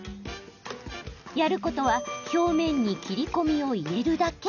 やることは表面に切り込みを入れるだけ。